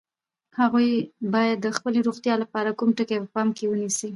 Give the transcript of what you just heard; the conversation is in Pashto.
هغوی باید د خپلې روغتیا لپاره کوم ټکي په پام کې ونیسي؟